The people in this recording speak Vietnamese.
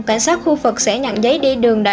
cảnh sát khu vực sẽ nhận giấy đi đường đại